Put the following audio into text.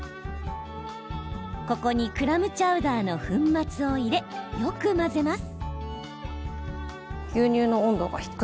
ここにクラムチャウダーの粉末を入れ、よく混ぜます。